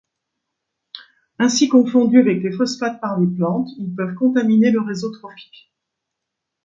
Ainsi confondus avec les phosphates par les plantes, ils peuvent contaminer le réseau trophique.